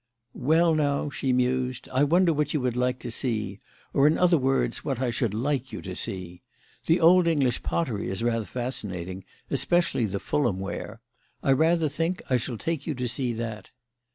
"Well, now," she mused, "I wonder what you would like to see; or, in other words, what I should like you to see. The old English pottery is rather fascinating, especially the Fulham ware. I rather think I shall take you to see that."